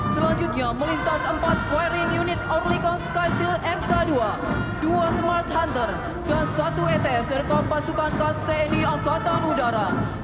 selanjutnya melintas empat firing unit orlikon sky seal mk dua dua smart hunter dan satu ets dari korps pasukan kast tni angkatan udara